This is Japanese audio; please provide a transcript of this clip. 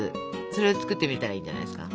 それを作ってみたらいいんじゃないですか？